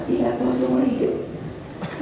tidak tahu semua hidup